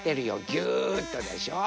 ぎゅっとでしょ。